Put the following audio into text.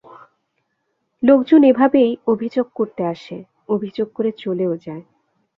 লোকজন এভাবেই অভিযোগ করতে আসে, অভিযোগ করে চলেও যায়।